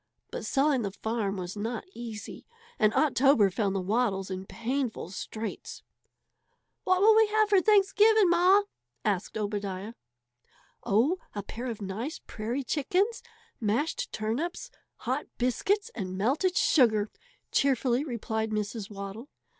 But selling the farm was not easy, and October found the Waddles in painful straits. "What will we have for Thanksgiving, Ma?" asked Obadiah. "Oh, a pair of nice prairie chickens, mashed turnips, hot biscuits, and melted sugar," cheerfully replied Mrs. Waddle.